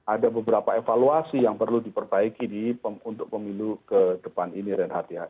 ada beberapa evaluasi yang perlu diperbaiki untuk pemilu ke depan ini reinhardt ya